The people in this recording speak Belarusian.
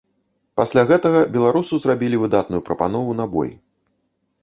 Пасля гэтага беларусу зрабілі выдатную прапанову на бой.